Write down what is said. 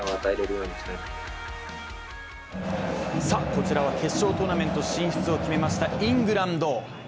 こちらは決勝トーナメント進出を決めましたイングランド。